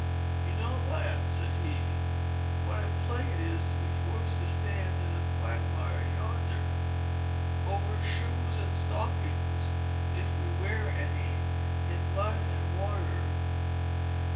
"You know, lads," said he, "what a plague it is, to be forced to stand in the quagmire yonder—over shoes and stockings (if we wear any) in mud and water.